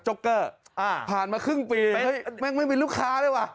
เกอร์อ่าผ่านมาครึ่งปีแม่งไม่มีลูกค้าเลยว่ะ